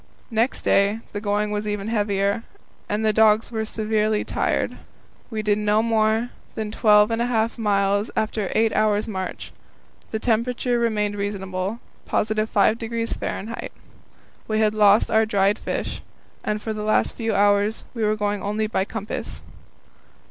Next day the going was even heavier, and the dogs were severely tried. W e did no more than twelve and a half miles after eight hours' march. The temperature remained reasonable, +5° F. We had lost our dried fish, and for the last few hours were going only by compass.